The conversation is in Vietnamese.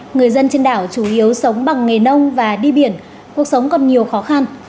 người dân trên đảo chủ yếu sống bằng nghề nông và đi biển cuộc sống còn nhiều khó khăn